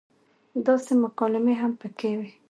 داسې مکالمې هم پکې وې